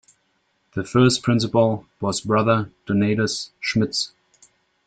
The first principal was Brother Donatus Schmitz.